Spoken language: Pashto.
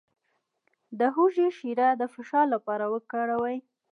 د هوږې شیره د فشار لپاره وکاروئ